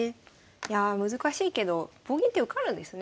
いやあ難しいけど棒銀って受かるんですね